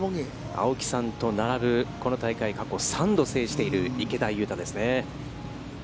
青木さんと並ぶこの大会過去、３度制している池田勇太ですね。